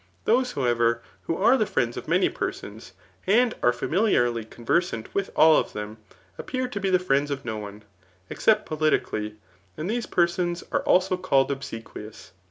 Thos^ however, who are the friends of many persons, and are fiuniliarly conversant with all of them, appear to be die friends of no cme, except politically, and these persons are also called obsequious.